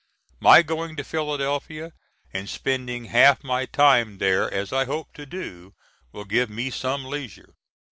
My going to Philadelphia and spending half my time there as I hope to do, will give me some leisure.